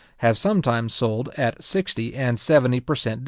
}) have sometimes sold at sixty and seventy per cent.